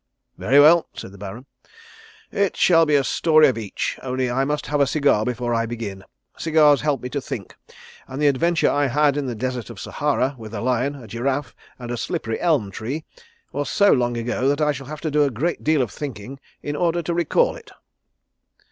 "Very well," said the Baron, "it shall be a story of each, only I must have a cigar before I begin. Cigars help me to think, and the adventure I had in the Desert of Sahara with a lion, a giraffe, and a slippery elm tree was so long ago that I shall have to do a great deal of thinking in order to recall it."